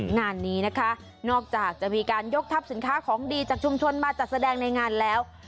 งานนี้นะคะนอกจากจะมีการยกทัพสินค้าของดีจากชุมชนมาจัดแสดงในงานแล้ว